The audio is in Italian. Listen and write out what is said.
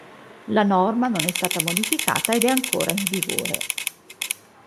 La norma non è stata modificata ed è ancora in vigore.